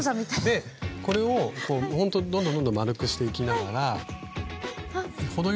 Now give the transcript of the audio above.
でこれをこう本当にどんどんどんどん丸くしていきながら程よい大きさまで。